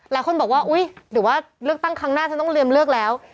หลายคนบอกว่าอุ๊ยหรือว่าเลือกตั้งครั้งหน้าฉันต้องเรียมเลือกแล้ว